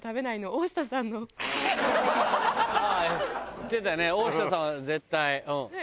大下さんは絶対。